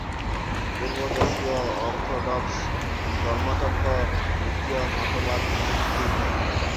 পূর্বদেশীয় orthodox ধর্মতত্ত্ব নিকীয় মতবাদভিত্তিক।